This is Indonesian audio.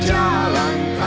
berjalan tanpa kamu